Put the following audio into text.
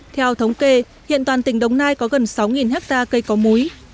theo thống kê hiện toàn tỉnh đồng nai có gần sáu hectare cây có múi